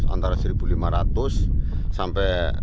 antara satu lima ratus sampai